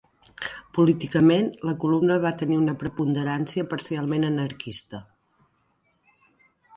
Políticament, la columna va tenir una preponderància parcialment anarquista.